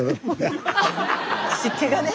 湿気がね。